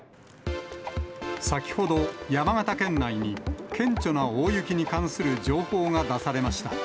先ほど、山形県内に顕著な大雪に関する情報が出されました。